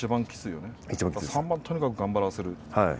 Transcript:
だから３番をとにかく頑張らせる。